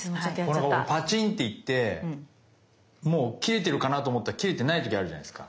パチンって言ってもう切れてるかなと思ったら切れてない時あるじゃないですか。